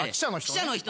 記者の人。